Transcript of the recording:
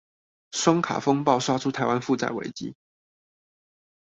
雙卡風暴刷出台灣負債危機